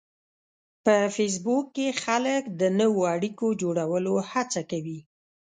په فېسبوک کې خلک د نوو اړیکو جوړولو هڅه کوي